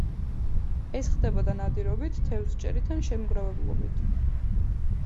ეს ხდებოდა ნადირობით, თევზჭერით ან შემგროვებლობით.